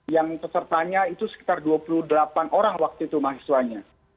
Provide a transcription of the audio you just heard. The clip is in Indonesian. yang pesertanya itu sekitar dua puluh delapan orang waktu itu mahasiswanya